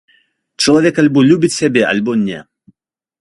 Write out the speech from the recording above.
Чалавек альбо любіць сябе, альбо не.